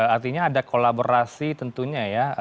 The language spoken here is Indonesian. artinya ada kolaborasi tentunya ya